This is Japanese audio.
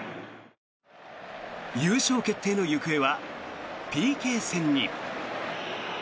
優勝決定の行方はＰＫ戦に。